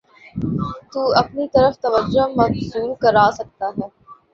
تواپنی طرف توجہ مبذول کراسکتاہے۔